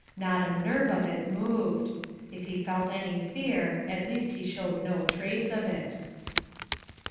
Not a nerve of it moved. If he felt any fear, at least he showed no trace of it.